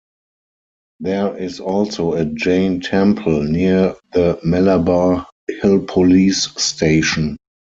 There is also a Jain temple, near the Malabar Hill Police Station.